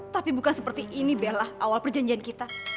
tapi bukan seperti ini bel lah awal perjanjian kita